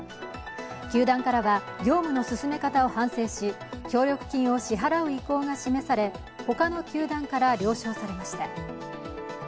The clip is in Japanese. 球団からは、業務の進め方を反省し協力金を支払う意向が示され、ほかの球団から了承されました。